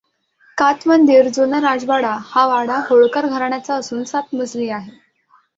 काचमंदिर जुना राजवाडा हा वाडा होळकर घराण्याचा असून सात मजली आहे.